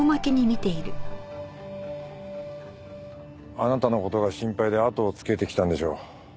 あなたの事が心配であとをつけてきたんでしょう。